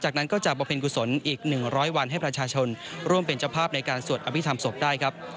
จากนั้นก็จะประเพ็ญกุศลอีก๑๐๐วันให้ประชาชนร่วมเป็นเจ้าภาพในการสวดอภิษฐรรมศพได้ครับ